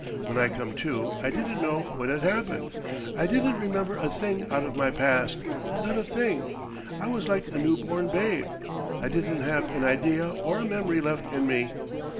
When I come to I didn't know what had happened. I didn't remember a thing out of my past not a thing. I was like a newborn babe. I didn't have an idea or a memory left in me.